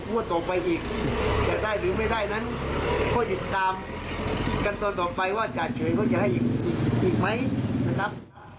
ก็ติดตามกันตอนต่อไปว่าจ่าเฉยก็จะให้อีกไหมนะครับ